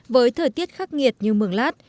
với thời tiết khắc nghiệt như mường lát